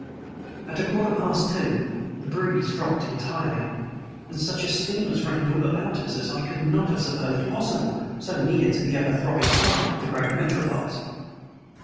At a quarter past two the breeze dropped entirely, and such a stillness reigned all about us as I could not have supposed possible so near to the ever throbbing heart of the great metropolis.